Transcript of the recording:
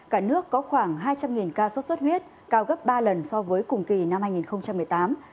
cả nước có khoảng hai trăm linh ca sốt xuất huyết cao gấp ba lần so với cùng kỳ năm hai nghìn một mươi tám